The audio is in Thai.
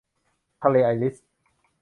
ทะเลไอริช